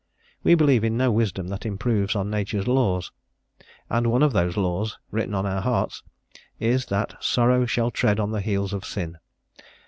We believe in no wisdom that improves on Nature's laws, and one of those laws, written on our hearts, is that sorrow shall tread on the heels of sin.